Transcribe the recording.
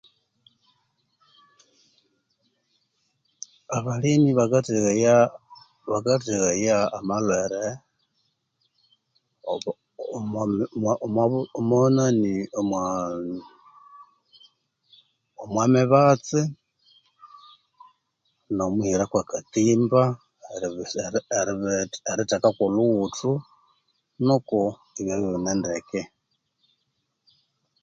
Abalemi bakatheghaya bakatheghaya amalhwere omo omo omwanani omwa omwa mibatsi, nomu hirako akatimba , eribi erithe erithekako olhughuthu nuko ebyabya ibine ndeke